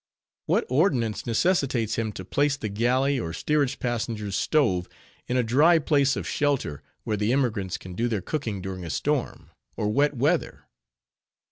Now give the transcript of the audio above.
What ordinance necessitates him to place the galley, or steerage passengers' stove, in a dry place of shelter, where the emigrants can do their cooking during a storm, or wet weather?